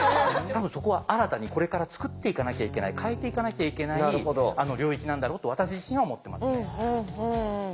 多分そこは新たにこれから作っていかなきゃいけない変えていかなきゃいけない領域なんだろうと私自身は思ってますね。